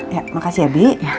ya makasih ya bi